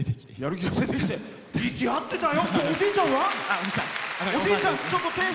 息合ってたよ。